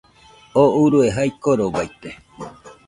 Tú urue jae korobaite